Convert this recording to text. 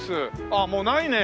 ああもうないね。